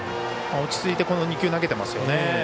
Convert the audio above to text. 落ち着いてこの２球投げてますよね。